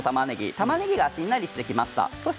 たまねぎがしんなりしてきました。